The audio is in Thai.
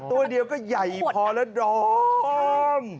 ตัวเดียวก็ใหญ่พอแล้วดอม